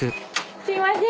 すいません。